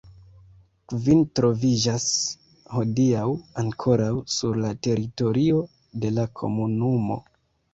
Kvin troviĝas hodiaŭ ankoraŭ sur la teritorio de la komunumo.